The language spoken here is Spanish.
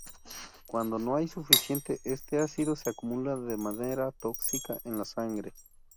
Cuando no hay suficiente, este ácido se acumula de manera tóxica en la sangre.